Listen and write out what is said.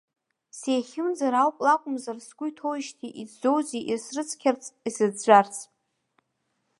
Сеихьымӡара ауп акәымзар сгәы иҭоуижьҭеи иҵӡоузеи исрыцқьарц, исыӡәӡәарц.